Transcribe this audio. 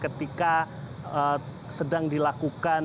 ketika sedang dilakukan